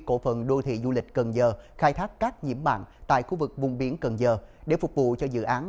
cổ phần đô thị du lịch cần giờ khai thác các nhiễm mạng tại khu vực vùng biển cần giờ để phục vụ cho dự án